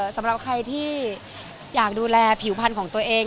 สำหรับใครที่อยากดูแลผิวพันธุ์ของตัวเอง